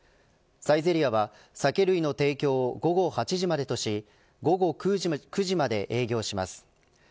サイゼリヤは酒類の提供を午後８時までとし午後９時まで営業します。